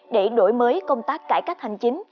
để đổi mới công tác cải cách hành chính